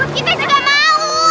buat kita juga mau